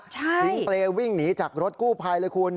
ทิ้งเปรย์วิ่งหนีจากรถกู้ภัยเลยคุณ